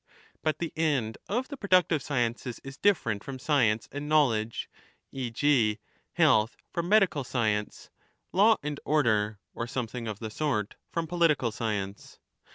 But the end of the productive sciences is different from science and knowledge, e. g. health from medical science, law and order (or something of the sort) from political science.